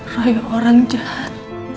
roy orang jahat